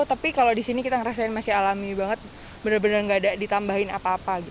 tapi kalau di sini kita merasakan masih alami banget benar benar tidak ada ditambahin apa apa